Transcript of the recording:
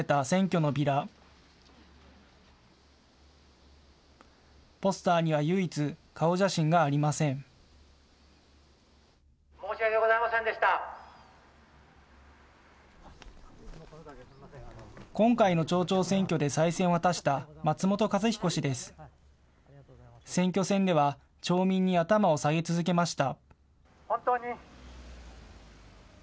選挙戦では町民に頭を下げ続けました。